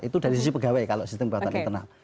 itu dari sisi pegawai kalau sistem kekuatan internal